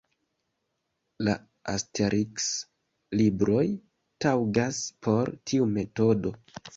La Asteriks-libroj taŭgas por tiu metodo.